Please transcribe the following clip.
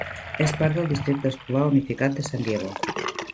És part del districte escolar unificat de San Diego.